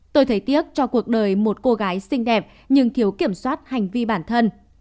tôi thấy tiếc cho cuộc đời một cô gái xinh đẹp nhưng thiếu kiểm soát hành vi bản thân